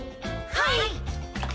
はい！